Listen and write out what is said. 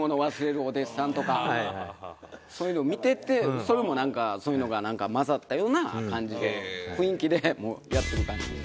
そういうのを見ててそれもなんかそういうのが混ざったような感じで雰囲気でやってる感じです。